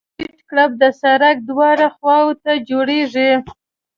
ټیټ کرب د سرک دواړو خواو ته جوړیږي